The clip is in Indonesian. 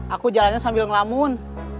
aku jalannya sambil ngelamun